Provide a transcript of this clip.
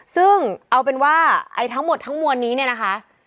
ซึ่งเอาเป็นว่าทั้งหมดทั้งมวลนี้เนี่ยนะคะ